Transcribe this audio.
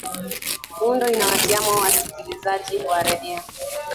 muundo unawatia moyo wasikilizaji wa redio